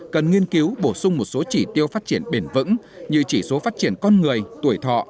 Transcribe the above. cần nghiên cứu bổ sung một số chỉ tiêu phát triển bền vững như chỉ số phát triển con người tuổi thọ